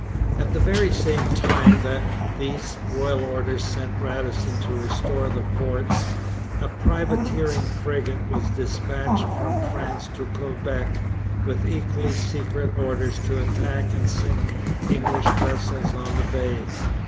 At the very same time that these royal orders sent Radisson to restore the forts, a privateering frigate was dispatched from France to Quebec with equally secret orders to attack and sink English vessels on the Bay.